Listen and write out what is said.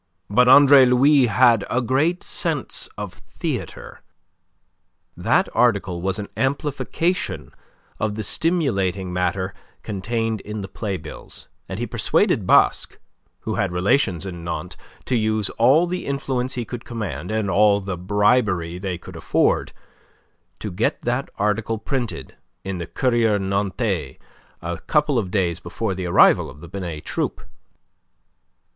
But Andre Louis had a great sense of the theatre. That article was an amplification of the stimulating matter contained in the playbills; and he persuaded Basque, who had relations in Nantes, to use all the influence he could command, and all the bribery they could afford, to get that article printed in the "Courrier Nantais" a couple of days before the arrival of the Binet Troupe.